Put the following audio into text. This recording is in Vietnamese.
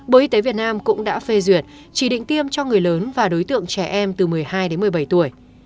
bộ y tế việt nam cũng đã phê duyệt chỉ định tiêm cho người lớn và đối tượng trẻ em từ một mươi hai đến một mươi bảy tuổi